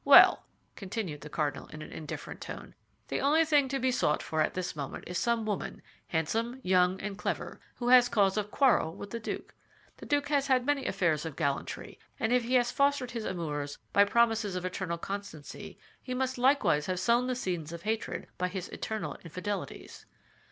"Well," continued the cardinal, in an indifferent tone, "the only thing to be sought for at this moment is some woman, handsome, young, and clever, who has cause of quarrel with the duke. The duke has had many affairs of gallantry; and if he has fostered his amours by promises of eternal constancy, he must likewise have sown the seeds of hatred by his eternal infidelities."